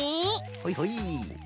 ほいほい。